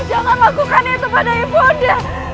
jangan lakukan itu pada ibu anda